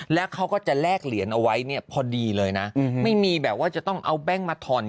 แล้วเขาก็จะแลกเหรียญเอาไว้เนี่ยพอดีเลยนะไม่มีแบบว่าจะต้องเอาแบงค์มาถอน